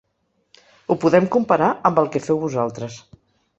Ho podem comparar amb el que feu vosaltres.